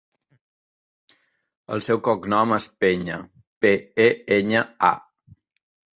El seu cognom és Peña: pe, e, enya, a.